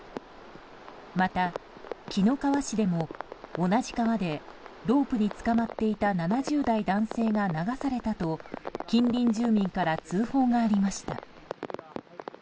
また、紀の川市でも同じ川でロープにつかまっていた７０代男性が流されたと近隣住民から通報がありました。